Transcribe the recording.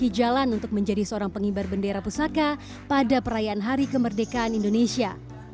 dia juga memiliki jalan untuk menjadi seorang penghibar bendera pusaka pada perayaan hari kemerdekaan indonesia